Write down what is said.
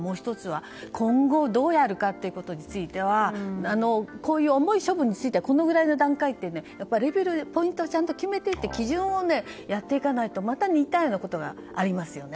今後どうやるかについてはこういう重い処分についてはこのくらいの段階というふうにレベルをちゃんと決めて基準をやっていかないとまた似たようなことがありますよね。